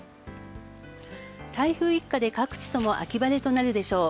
台風一過で各地とも秋晴れとなるでしょう。